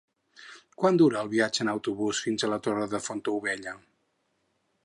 Quant dura el viatge en autobús fins a la Torre de Fontaubella?